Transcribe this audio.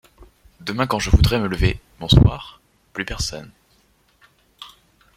Demain quand je voudrai me lever, bonsoir, plus personne !